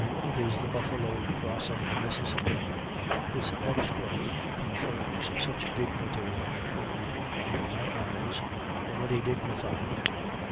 It is the buffalo crossing the Mississippi. This exploit confers some dignity on the herd in my eyes, already dignified.